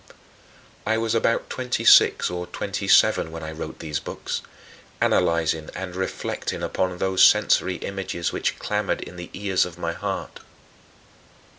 27. I was about twenty six or twenty seven when I wrote those books, analyzing and reflecting upon those sensory images which clamored in the ears of my heart.